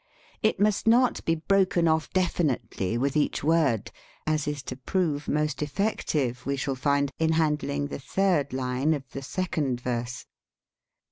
It must not be broken off def initely with each word, as is to prove most effective, we shall find, in handling the third line of the second verse.